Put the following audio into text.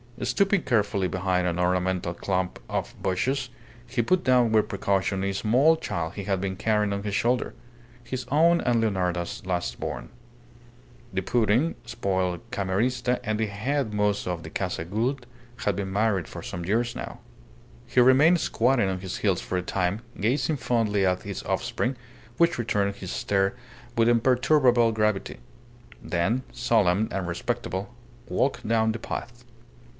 Stooping carefully behind an ornamental clump of bushes, he put down with precaution a small child he had been carrying on his shoulder his own and Leonarda's last born. The pouting, spoiled Camerista and the head mozo of the Casa Gould had been married for some years now. He remained squatting on his heels for a time, gazing fondly at his offspring, which returned his stare with imperturbable gravity; then, solemn and respectable, walked down the path.